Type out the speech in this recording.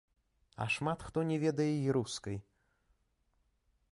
А шмат хто не ведае і рускай.